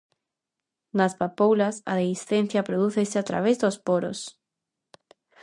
Nas papoulas a dehiscencia prodúcese a través dos poros.